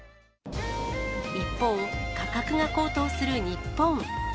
一方、価格が高騰する日本。